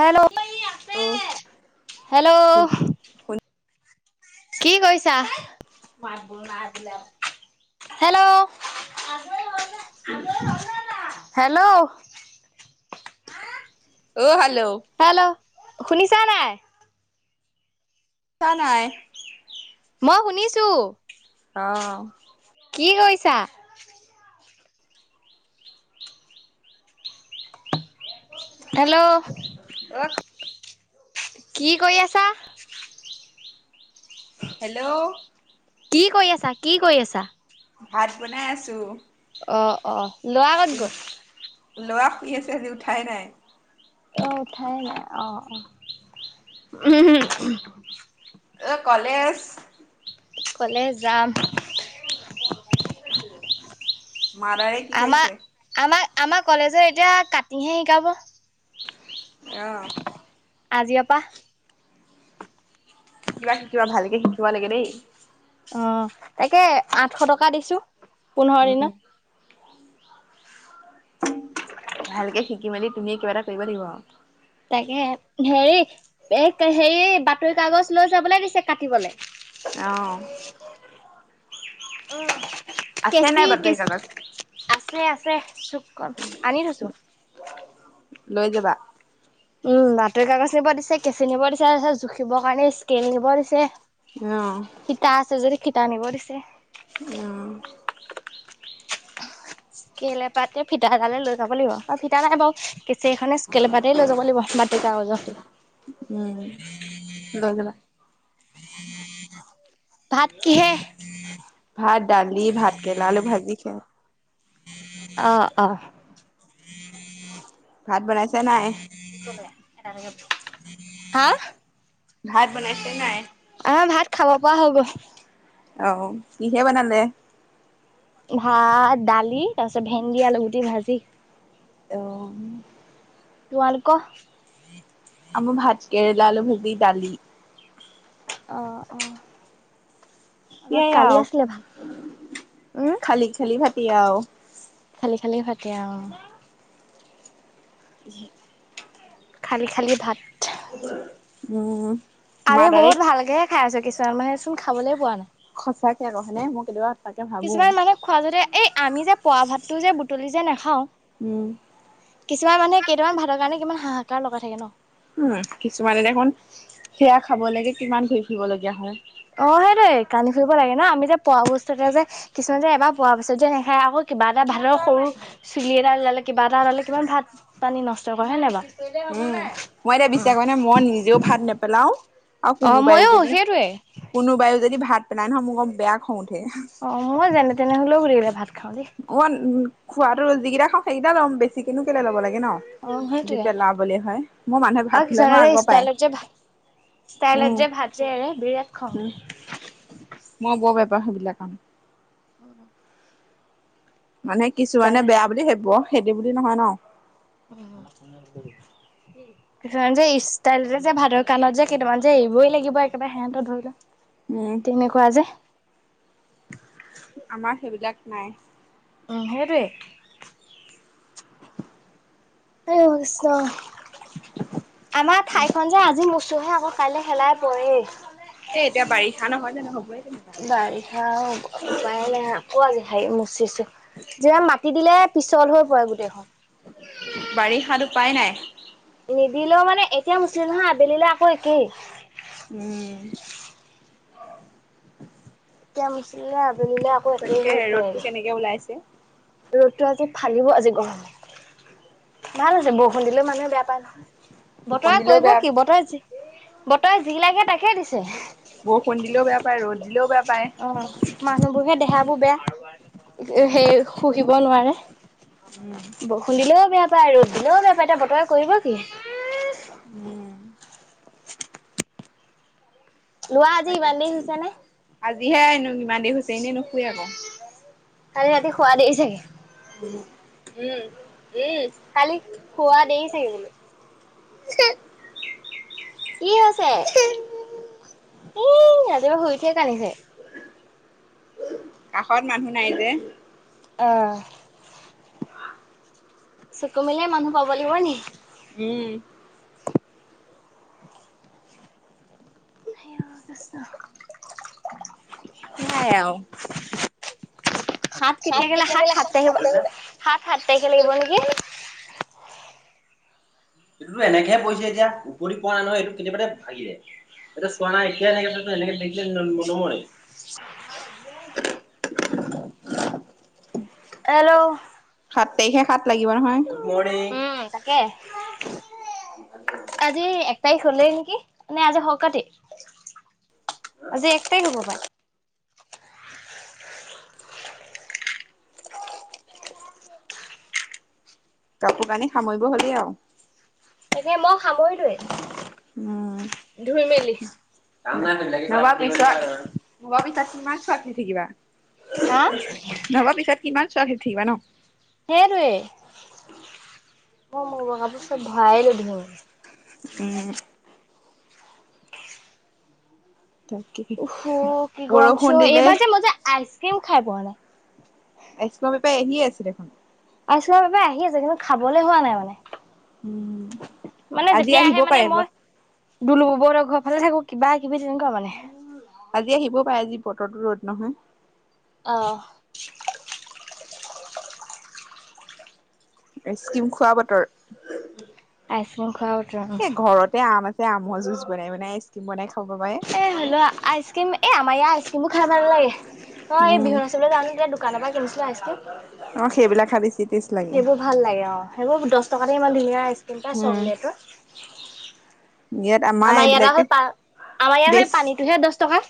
Hello ও' hello. কি কৰিছা? হেল্লৌ'। হেল্ল'। অ', হেল্ল'। হেল্ল', শুনিছা নে নাই? চা নাই। মই শুনিছোঁ। অ'। কি কৰিছা? হেল্ল'। অ' কি কৰি আছা? হেল্ল'। কি কৰি আছা? কি কৰি আছা? ভাত বনাই আছোঁ। অ', অ', ল'ৰা ক'ত গ'ল? ল'ৰা শুই আছে, আজি উঠাই নাই। অ', উঠাই নাই অ', অ', উহ। অ', কলেজ কলেজ যাম। মাদাৰে কি কৰিছে? আমাৰ, আমাৰ কলেজৰ এতিয়া কাটিংহে শিকাব। অ আজি অ', পা। শিকিবা শিকিবা ভালকে শিকিব লাগে দেই। অ', একে আঠশ টকা দিছো পোন্ধৰ উম দিনৰ। ভালকে শিকি মেলি তুমিয়ে কিবা এটা কৰিব লাগিব। তাকে হেৰি এই হেৰি বাতৰি কাগজ লৈ যাবলৈ দিছে কাটিবলে। অ'। অ', আছে কেচি নাই বাতৰি কেচি কাগজ আছে, আছে দিছো। লৈ যাবা। উম, বাতৰি কাগজ নিব দিছে কেচি নিব দিছে তাৰপিছত জুখিব কাৰণে স্কেল নিব দিছে। অ'। টা আছে যদি, ফিটা নিব দিছে। অহ। স্কেল এপাতে, ফিটা এডালে লৈ যাব লাগিব, আৰু ফিতা নাই বাৰু কে সেইখনে, স্কেল এপাতে লৈ যাব লাগিব বাতৰি কাগজৰ সতি। উম, লৈ যাবা। ভাত কিহে [inaudible] ভাত, দালি, ভাত কেৰেলা আলু ভাজি খে অ', অ'। ভাত বনাইছে নাই? হা? ভাত বনাইছে নাই? অ', ভাত খাব পৰা হৈ গ'ল। অহ, কিহে বনালে? ভাত, দালি, তাৰ পিছত ভেন্দি, আলুগুটি ভাজি। অ' তোমালোকৰ? আমাৰ ভাত কেৰেলাৰ ভজি, ডালি। আহ অ'। আমাৰ সেয়াই কালি আৰু আছিলে ভাতকে। উম খালি খালি ভাতি আৰু খালি খালি ভাতেই আৰু। ই খালি খালি ভাত। ওপৰ উম। আমি বহুত ভালকেহে খাই আছো। কিছুমান মানুহে চোন খাবলৈ পোৱা নাই। সঁচাকে আকৌ হয়নে? মই কেতিয়াবা তাকে ভাবো। কিছুমান মানুহে খোৱা যতে এই আমি যে পৰা ভাতটো যে বুটলি যে নাখাওঁ, উম কিছুমান মানুহে কেইটামান ভাতৰ কাৰণে কিমান হাহাকাৰ লগাই থাকে। উম। কিছুমানে দেখোন সেয়া খাব লৈকে কিমান ঘূৰি ফুৰিবলগীয়া হয়। অ সেইটোৱেই কান্দি ফুৰিব লাগে ন, আমি যে পৰা বস্তু এটাই কিছুমানে যে এবাৰ পৰা পিছত যে নাখাই আকৌ কিবা এটা ভাতৰ সৰু চুলি এডাল ওলালে, কিবা এটা ওলালে, কিমান ভাত পানী নষ্ট কৰে হয় নহয় কেলে হ'ব উম নাই মই এতিয়া বিশ্বাস কৰেনে? মই নিজেও ভাত নেপেলাও, আৰু অ কোনোবাইয়ো মইয়ো যদি সেইটোৱে কোনোবাই ও যদি ভাত পেলাই নহয় মোক বৰ বেয়া খং উঠে। অ মই যেনে তেনে হ'লেও গোটেই কেইটা ভাত খাওঁ। অই খোৱাতটো। যিকেইটা খাওঁ সেইকেইটা লঁও বেছিকেনো কেলে ল'ব লাগে। অ যদি সেইটোৱে পেলাবলে হয়। মোক মানুহে ভাত আৰু দিলে মই কিছুমানৰে আগৰ পায় ষ্টাইলত যে ষ্টাইলত যে ভাত যে এৰে, বিৰাট খং উ, মই বৰ বেয়া পাও সেইবিলাক। উ। মানে কিছুমানে ষ্টাইল বেয়া বুলি ভাবিব, সেইটো বুলি নহয় ন। অ' কিছুমান যে ষ্টাইলতে যে ভাতৰ কানত যে কেইটামান যে এৰিবই লাগিব একেবাৰে সিহঁত ধৰি লোৱা। উম। আমাৰ সেইবিলাক নাই। উম। সেইটোৱেই। আমাৰ ঠাইখন যে আজি মোচোহে আকৌ কাইলৈ শেলাই পৰেই। এ এতিয়া বাৰিষা নহয় জানো হ'বই তেনেকুৱা বাৰিষা আৰু উপায় নাই। কোৱা যে হেৰি মচিছো। যেন মাতি দিলে পিছল হৈ পৰে গোটেইখন। বাৰিষাত উপায় নাই। নিদিলেও মানে, এতিয়া মুচিলো হা আবেলিলে আকৌ একেই। উম এতিয়া মুচিলে আবেলিলে আকৌ তাকে একেই হৈ হে। ৰ'দটো পৰেগে কেনেকে ওলাইছে? ৰ'দটো আজি ফালিব আজি গৰমে। ভাল হৈছে। বৰষুণ দিলেও মানুহে বেয়া পায় নহয়। বৰষুণ বতৰে দিলেও কৰিব বেয়া কি? বতৰে যি বতৰে যি লাগে তাকে দিছে। বৰষুণ দিলেও বেয়া পায়, ৰ'দ দিলেও বেয়া পায়। অ মানুহবোৰ হে দেহাবোৰ বেয়া। হেৰ শুহিব নোৱাৰে। উম বৰষুণ দিলেও বেয়া পায়, ৰ'দ দিলেও বেয়া পায়, এতিয়া বতৰে কৰিব কি? উম ল'ৰা আজি তাকে ইমান দেৰি শুইছে নে? আজিহে হেনো ইমান দেৰি শুইছে এনেই নুশুয়ে ক। কালি ৰাতি শুৱা দেৰি ছাগে। উম, উম, উম। কালি শুৱা দেৰি ছাগে বোলো। কি হৈছে, ই ৰাতিপুৱা শুই উঠিয়ে কান্দিছে। কাষত মানুহ নাই যে। আ। চকু মেলিয়ে মানুহ পাব লাগিব নি? উম। [inaudible] সেয়াই আও। সাত কেতিয়াকে লা সাত সাত তাৰিখৰ পৰা সাত সাত তাৰিখে লাগিব নেকি? এইটোতো এনেকেহে কৈছে যে, উপৰি পোৱা নহয়। এইটো কেতিয়াবাতে ভাঙি য়ায়। এইটো চোৱা নাই। এতিয়াই ভাঙিছে টো এনেকে থাকিব লাগিব ন নহয়। হেল্ল সাত তাৰিখে সাত লাগিব নহয়। গুড মৰ্ণিং কে আজি এক তাৰিখ হ'লেই নেকি? নে আজি সৌকাতি? আজি এক তাৰিখ হ'ব পায়। কাপোৰ কানি সামৰিব হ'লেই আওঁ। তাকে মই সামৰিলোৱে। উম। ধুই মেলি [inaudible] নহবা পিছত নহবা পিছত কিমান চোৱাত ধুই থাকিবা? হা নহবা পিছত কিমান চোৱা ধুই থাকিবা ন? সেইটোৱে। মই মোৰ ভাগৰ চব ভৰাই লৈ ধু। উম। তাকে উফ হো কি গৰম দিছে বৰষুণ অ? দিলে এইবাৰ যে মই যে আইচক্ৰিম খাই পোৱা নাই। আইচক্ৰীমৰ বেপাৰী আহিয়ে আছে দেখোন। আইচক্ৰীমৰ বেপাৰী আহি আছে কিন্তু খাবলৈ হোৱা নাই মানে। উম মানে আজি যেতিয়া আহিব আহে মানে পাৰে মই দুলু নবৌ হঁতৰ ঘৰৰ ফালে থাকো কিবা কিবি তেনেকুৱা মানে। আজি আহিব পাৰে আজি বতৰতো ৰ'দ নহয়। অ। আইচক্ৰীম খোৱা বতৰ। আইচক্ৰীম খোৱা বতৰা এ ঘৰতে আম আ ছে আমৰ জুছ বনাই বনাই আইচক্ৰীম বনাই খাব পাৰে। এ হ'লেও আইচক্ৰীম। এই আমাৰ ইয়াৰ আইচক্ৰীমবোৰ খাই ভাল নালাগে। অ এই উম। বিহু নাচিবলৈ যাওঁতে দোকানৰ পৰা কিনিছিলি আইচক্ৰীম। অ সেইবিলাক খাবি চিপি সেইবোৰ ভাল লাগে অ সেইবোৰ দহ টকাতে ইমান ধুনীয়া আইচক্ৰীম পায় উম। চকলেটৰ। ইয়াত আমাৰ ইয়াত আকৌ পাৰ আমাৰ ইয়াৰ সেই বেচ পানীটোহে দহ টকা,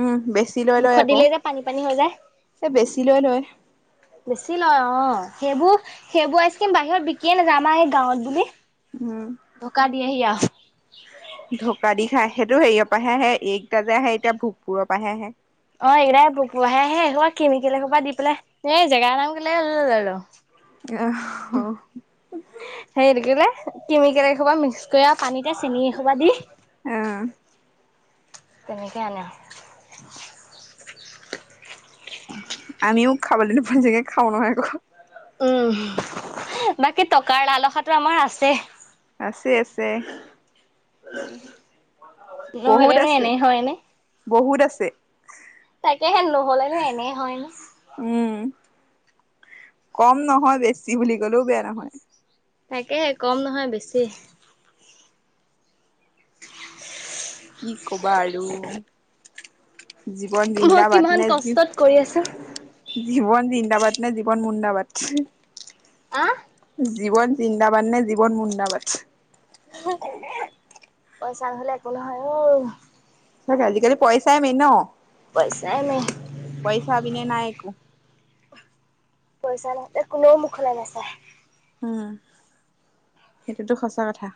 উম মুখত দিলেই যে পানী পানী হৈ যায়। এ বেছি লৈ লয়। বেছি লয় অ সেইবোৰ সেইবোৰ আইচক্ৰীম বাহিৰত বিকিয়ে নাযায় আাৰ এই গাঁৱত বুলি উম। ধকা দিয়েহি আৰু। ঢকা দি খা সেইটো হেয়ি পৰা আহে আহে এইকটা যে আহে এতিয়া ভোকপুৰৰ পৰা আহে আহে। অ', এইকটাই পুপু আহেহে এসোপা কেমিকেল এসূপা দি পেলাই এই জেগাৰ নাম কেলেই হ'ল আৰু। আহ অ'। হেৰি এইটো কি বুলি ক'লে কেমিকেল এসোপা মিক্স কে আৰু পানীতে চেনি এসোপা দি অ তেনেকে আনে। [unintelligible] আমিও খাব নোপোৱা নিচিনাকে খাওঁ নহয় আকৌ। উম বাকী টকাৰ লালহাটো আমাৰ আছে। আছে আছে। উ বহুত নহলেনো আছে এনেই হয়নে। বহুত আছে। তাকেহেন নহলেনো এনে হয় নে। উম কম নহয় বেছি বুলি ক'লেও বেয়া নহয়। তাকেহে কম নহয় বেছি। কি কবা আৰু জীৱন মই বিন্দা মাত কিমান ন যি। কষ্টত কৰি আছো। জীৱন জিন্দাবাদ নে জীৱন মুন্দাবাদ। আহ। জীৱন জিন্দাবাদ নে জীৱন মুন্দাবাদ। পইচা নহ'লে একো নহয় অ'। সঁচাকে আজিকালি পইচাই মেইন ন। পইচাই মেইন। পইচা বিনে নাই একো। পইচা নাই ত কোনেও মুখলে নাছাই। উম সেইটোতো সঁচা কথা।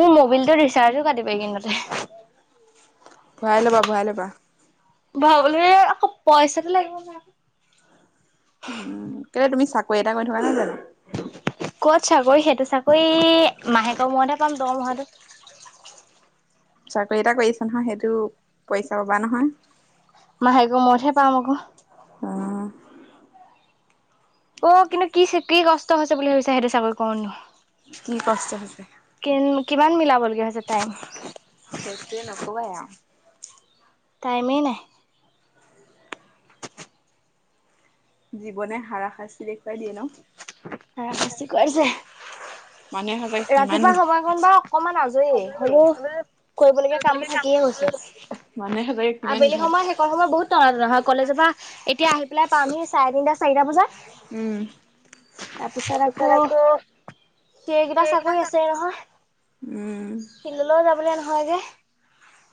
মোৰ মবিলটো ৰিচাৰ্জো কাটিব এই কেইদিনতে। ভৰাই লবা ভৰাই লবা। ভৰাবলে আকৌ পইচাটো লাগিব ন। উ কেলেই তুমি চাকৰি এটা কৰি থকা নাই জানোঁ। ক'ত চাকৰি সেইটো চাকৰি মাহেকৰ মূৰতে পাম দৰমহাটো। চাকৰি এটা কৰি আছে নহয় সেইটো পইচা পাবা নহয়। মাহেক মূৰত হে পাম আকৌ। আহ। অ', কিন্তু কি কি কষ্ট হৈছে বুলি ভাবিছা সেইটো চাকৰি কৰনো। কি কষ্ট হৈছে। কিমান মিলাবলগীয়া হৈছে টাইম। সেইটোৱে নকবাই আৰু। টাইমেই নাই। জীৱনে হাৰাশাস্তি দেখুৱাই দিয়ে ন। হাৰা শাস্তি খুৱাইছে। মানুহে সঁচাকে কিমান ৰাতিপুৱা সময়কন বা অকমান আজৰি হলেও কৰিবলগীয়া কাম বোৰ থাকিয়ে গৈছে। মানুহে ভাবে কিমান এই ঘাট সময়, সেইকন সময় বহুত টনা টনা হয়, কলেজৰ পৰা এতিয়া আহি পেলাই পামহি চাৰে তিনিটা চাৰিটা বজাত উম। তাৰপিছত আকৌ কেইকেইটা চাকৰি আছেই নহয়, উম ফিল্ডলৈও যাবলৈ নহয়গে।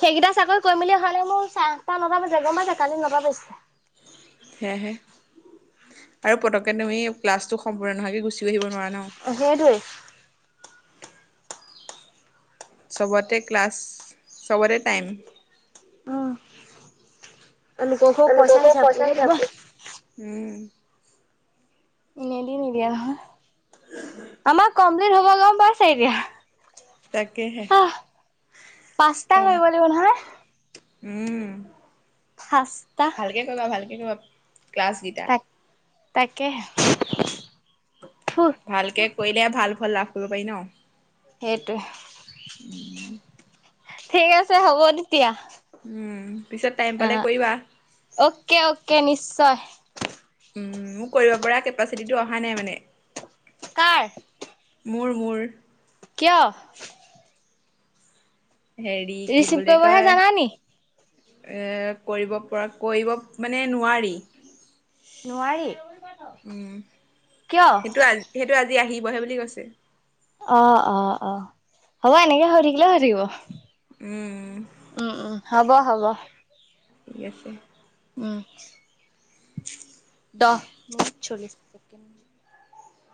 সেইকেইটা চাকৰি কৰিম বুলি হ'লে মোৰ, চাৰে আঠটা নটা বাজে, গম পাইছা, কালি নটা বাজিছে। সেয়াহে আৰু পতকে তুমি ক্লাছটো সম্পূৰ্ণ নহোৱাকে গুচি আহিব নোৱাৰা ন। অ', সেইটোৱেই। চবতে ক্লাছ, চবতে টাইম। উম, লোককো পইচা হিচাপ কৰিহে দিব। উম। এনে দি নিদিয়ে নহয়। আমাৰ কমপ্লিট হৈ গ'ল গম পাইছা এতিয়া। তাকেহে। আহ পাঁচটা কম কৰিব লাগিব নহয়? উম। পাঁচটা। ভালকে কৰিবা, ভালকে কৰিবা ক্লাছকিটা। তাকেহ। [unintelligible] ভালকে কৰিলে ভাল ফল লাভ কৰিব পাৰি ন। সেইটোৱে। [inaudible] ঠিক আছে, হ'ব তেতিয়া। উম, পিছে টাইম অ পালে কৰিবা। অ'কে, অ'কে নিশ্চয়। উম, মোৰ কৰিব পৰা কেপাচিটিটো অহা নাই মানে। কাৰ? মোৰ, মোৰ। কিয়? হেৰি কি ৰিচিভ বুলি কৰিবহে কয় জানা নি? এ কৰিব পৰা, কৰিব মানে নোৱাৰি। নোৱাৰি, উম সেইটো কিয়? আজি সেইটো আজি আহিবহে বুলি কৈছে। অ', অ', অ'। হ'ব এনেকে হৈ থাকিলেও হৈ থাকিব। উম। উম, উম। হ'ব, হ'ব। ঠিকে আছে। উম। দহ মিনিট চল্লিছ ছেকেণ্ড।